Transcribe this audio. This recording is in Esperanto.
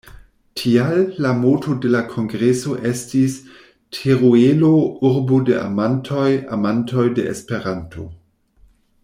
Tial, la moto de la kongreso estis: "Teruelo, urbo de amantoj, amantoj de Esperanto".